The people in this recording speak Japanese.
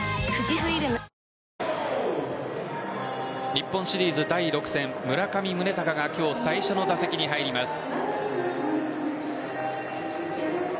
日本シリーズ第６戦村上宗隆が今日最初の打席に入ります。